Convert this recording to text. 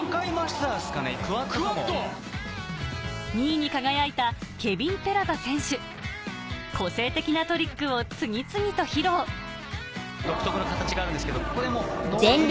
２位に輝いたケビン・ペラザ選手個性的なトリックを次々と披露独特な形があるんですけどここでもう。